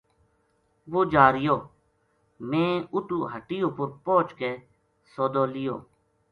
وہ جا رہیو میں اُتو ہٹی اپر پوہچ کے سودو لیو۔